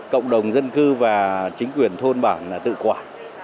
cộng đồng dân cư và chính quyền thôn bản là tự quản